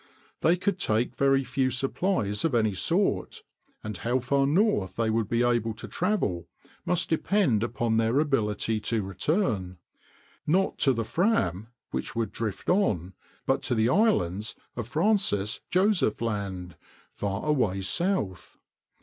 They could take very few supplies of any sort, and how far north they would be able to travel must depend upon their ability to return, not to the Fram, which would drift on, but to the islands of Francis Joseph Land, far away south.